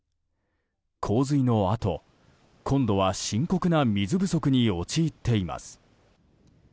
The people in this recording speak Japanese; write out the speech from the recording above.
洪水のあと、今度は深刻な水不足に陥っています。